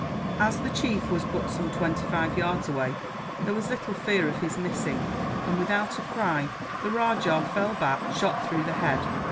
As the chief was but some twenty five yards away, there was little fear of his missing and, without a cry, the rajah fell back, shot through the head.